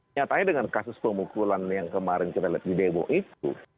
nyatanya dengan kasus pemukulan yang kemarin kita lihat di demo itu